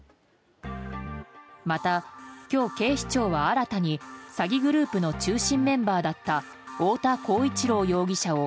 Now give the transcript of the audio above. また今日、警視庁は新たに詐欺グループの中心メンバーだった太田浩一朗容疑者を